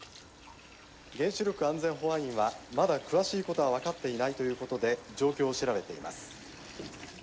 原子力安全・保安院はまだ詳しいことは分かっていないということで状況を調べています。